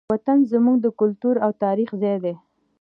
وطن زموږ د کلتور او تاریخ ځای دی.